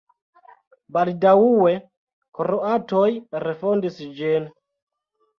Baldaŭe kroatoj refondis ĝin.